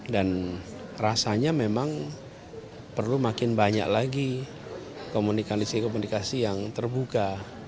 dan rasanya memang perlu makin banyak lagi komunikasi komunikasi yang terbuka